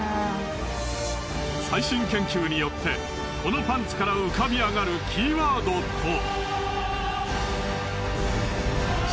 最新研究によってこのパンツから浮かび上がるキーワードとは。